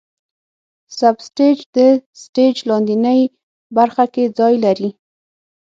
سب سټیج د سټیج لاندینۍ برخه کې ځای لري.